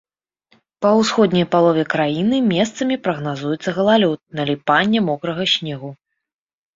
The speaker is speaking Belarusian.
Па ўсходняй палове краіны месцамі прагназуецца галалёд, наліпанне мокрага снегу.